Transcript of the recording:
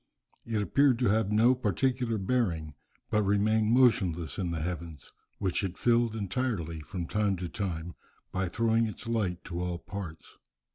It appeared to have no particular bearing, but remained motionless in the heavens, which it filled entirely from time to time, by throwing its light to all parts."